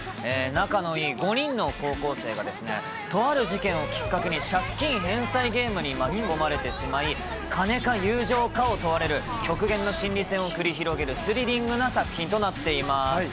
仲のいい５人の高校生が、とある事件をきっかけに、借金返済ゲームに巻き込まれてしまい、金か、友情かを問われる極限の心理戦を繰り広げる、スリリングな作品となっています。